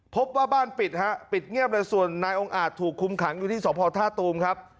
พบว่าบ้านปิดฮะปิดเงียบเลยส่วนนายองค์อาจถูกคุมขังอยู่ที่สพท่าตูมครับ